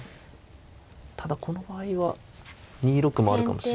ただこの場合は２六もあるかもしれません。